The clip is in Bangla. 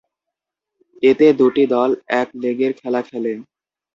এতে দু'টি দল এক-লেগের খেলা খেলে।